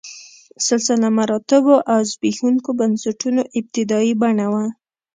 سلسله مراتبو او زبېښونکو بنسټونو ابتدايي بڼه وه.